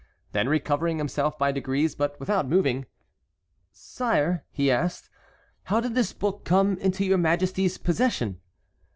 Then recovering himself by degrees, but without moving: "Sire," he asked, "how did this book come into your Majesty's possession?"